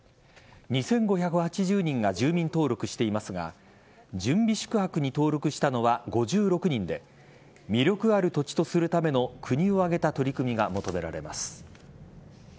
２５８０人が住民登録していますが準備宿泊に登録したのは５６人で魅力ある土地とするための国を挙げた取り組みが求められます。